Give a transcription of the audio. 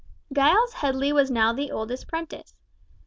Giles Headley was now the eldest prentice.